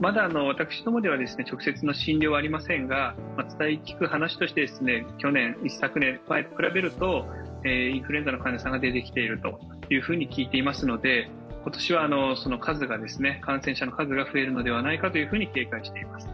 まだ私どもでは直接の診療はありませんが伝え聞く話として、去年、一昨年と比べるとインフルエンザの患者さんが出てきていると聞いていますので、今年は感染者の数が増えるのではないかと警戒しています。